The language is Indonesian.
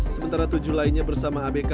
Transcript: sementara tujuh lainnya bersama abk